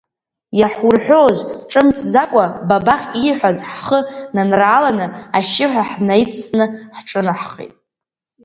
Иаҳурҳәооз, ҿымҭӡакәа, Бабахь ииҳәаз ҳхы нанрааланы, ашьшьыҳәа ҳнаидҵны ҳҿынаҳхеит.